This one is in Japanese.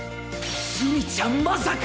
⁉墨ちゃんまさか。